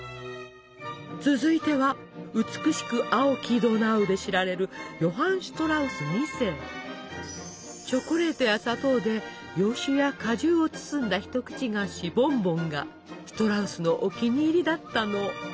続いては「美しく青きドナウ」で知られるチョコレートや砂糖で洋酒や果汁を包んだ一口菓子「ボンボン」がシュトラウスのお気に入りだったの。